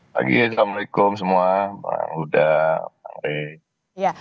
pagi assalamualaikum semua mas huda mas rey